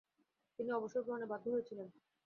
তিনি অবসর গ্রহণে বাধ্য হয়েছিলেন।